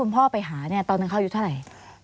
คุณพ่อไปหาตอนนั้นเขาอยู่เท่าไหร่